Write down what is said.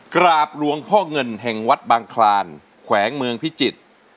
กราบหลวงพ่อเงินแห่งวัดบางคลานแขวงเมืองพิจิตร